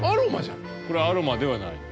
これアロマではない。